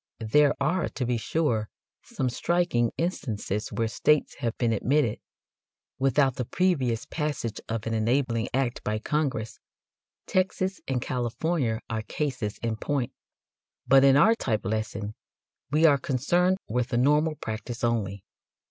There are, to be sure, some striking instances where states have been admitted without the previous passage of an enabling act by Congress Texas and California are cases in point but in our type lesson we are concerned with the normal practice only.